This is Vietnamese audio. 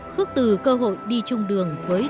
khước từ cơ hội đi chung đường với